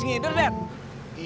yang dihantarin ke toko buku